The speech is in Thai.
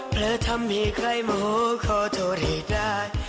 เหลือทำให้ใครโมโหขอโทษให้ได้